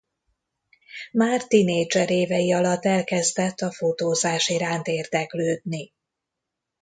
Már tinédzser évei alatt elkezdett a fotózás iránt érdeklődni.